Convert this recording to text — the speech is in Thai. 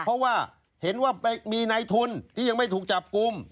เพราะว่าเห็นว่ามีในทุนที่ยังไม่ถูกจับกลุ่ม